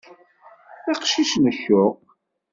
D aqcic n ccuq.